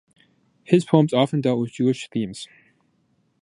His poems often dealt with Jewish themes.